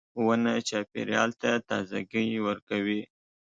• ونه چاپېریال ته تازهګۍ ورکوي.